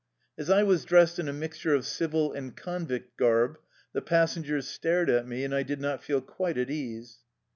As I was dressed in a mixture of civil and convict garb, the passengers stared at me, and I did not feel quite at ease.